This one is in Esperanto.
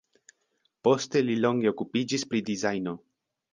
Poste li longe okupiĝis pri dizajno.